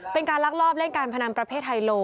เป็นการลักลอบเล่นการพนันประเภทไฮโล